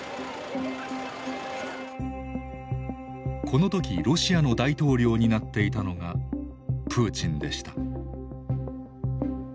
この時ロシアの大統領になっていたのがプーチンでした。